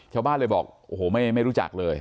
ชาวบ้านเลยบอกโอ้โหไม่รู้จักเลย